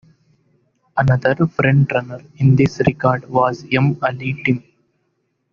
Another frontrunner in this regard was M. Ali Tim.